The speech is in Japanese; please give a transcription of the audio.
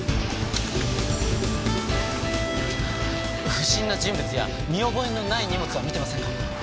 不審な人物や見覚えのない荷物は見てませんか？